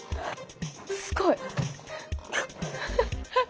すごい。